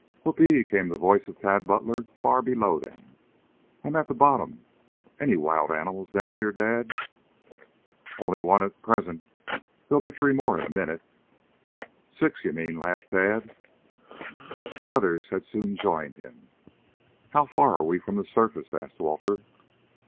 "Whoop e e!" came the voice of Tad Butler far below them. "I'm at the bottom. Any wild animals down here, Dad?" "Only one at present. There'll be three more in a minute." "Six, you mean," laughed Tad. The others had soon joined him. "How far are we from the surface?" asked Walter.